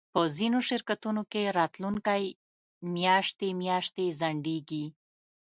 په ځینو شرکتونو کې راتلونکی میاشتې میاشتې ځنډیږي